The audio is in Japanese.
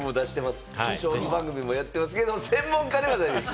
将棋番組もやってますけれど、専門家ではないです。